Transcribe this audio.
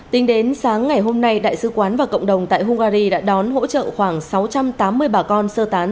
tính đến sáng ngày hôm nay đại sứ quán và cộng đồng tại hungary đã đón hỗ trợ khoảng sáu trăm tám mươi bà con sơ tán